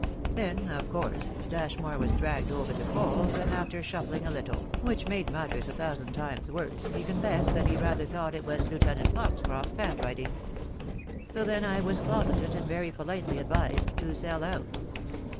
Then, of course, Dashmore was dragged over the coals, and after shuffling a little, which made matters a thousand times worse, he confessed that he rather thought it was Lieu tenant Foxcroft's handwriting. So then I was closeted, and very politely advised to sell out."